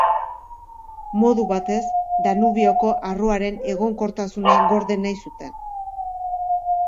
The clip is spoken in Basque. Modu batez, Danubioko arroaren egonkortasuna gorde nahi zuten.